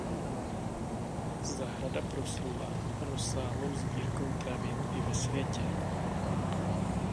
Zahrada proslula rozsáhlou sbírkou travin i ve světě.